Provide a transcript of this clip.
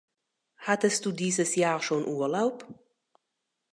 Hattest du dieses Jahr schon Urlaub?